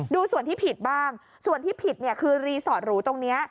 ดูส่วนที่ผิดบ้างส่วนที่ผิดเนี่ยคือรีสอร์ทหรูตรงนี้